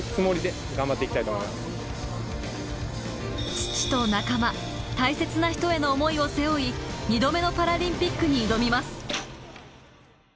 父と仲間、大切な人への思いを背負い、２度目のパラリンピックに挑みます。